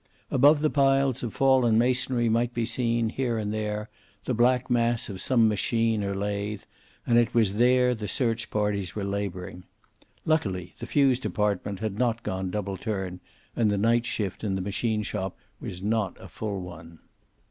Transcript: Above the piles of fallen masonry might be seen, here and there, the black mass of some machine or lathe, and it was there the search parties were laboring. Luckily the fuse department had not gone double turn, and the night shift in the machine shop was not a full one.